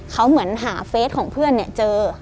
เขาเหมือนหาเฟสของเพื่อนเจอ